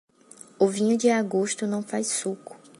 O vinho de agosto não faz suco.